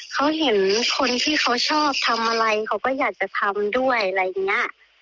เขาเห็นคนที่เขาชอบทำอะไรเขาก็อยากจะทำด้วยอะไรอย่างเงี้ย